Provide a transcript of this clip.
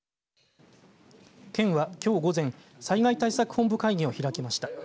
県はきょう午前災害対策本部会議を開きました。